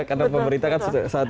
karena pemerintah kan satu satu